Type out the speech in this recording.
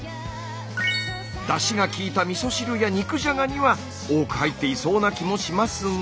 だしがきいたみそ汁や肉じゃがには多く入っていそうな気もしますが。